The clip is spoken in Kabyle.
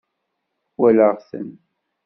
Walaɣ-ten.